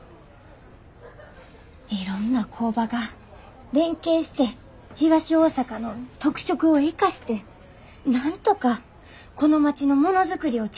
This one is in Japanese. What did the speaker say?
いろんな工場が連携して東大阪の特色を生かしてなんとかこの町のものづくりを続けていけるようにしたいんです。